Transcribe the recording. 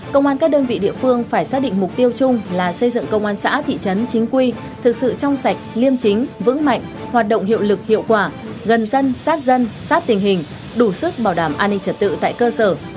công an các đơn vị địa phương phải xác định mục tiêu chung là xây dựng công an xã thị trấn chính quy thực sự trong sạch liêm chính vững mạnh hoạt động hiệu lực hiệu quả gần dân sát dân sát tình hình đủ sức bảo đảm an ninh trật tự tại cơ sở